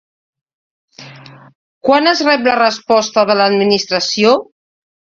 Quan es rep la resposta de l'Administració?